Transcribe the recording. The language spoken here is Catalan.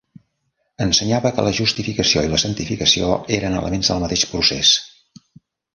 Ensenyava que la justificació i la santificació eren elements del mateix procés.